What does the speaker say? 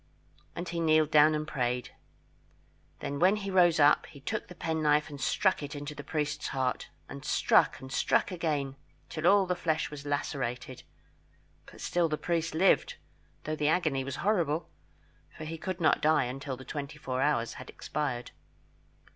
And he kneeled down and prayed. Then when he rose up he took the penknife and struck it into the priest's heart, and struck and struck again till all the flesh was lacerated; but still the priest lived, though the agony was horrible, for he could not die until the twenty four hours had expired.